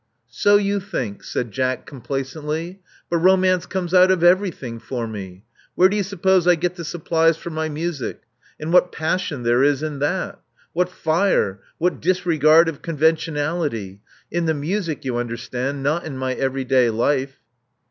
So you think,*' said Jack complacently; but romance comes out of everything for me. Where do you suppose I get the supplies for my music? And what passion there is in that! — ^what fire — ^what dis regard of conventionality! In the music, you under stand: not in my everyday life."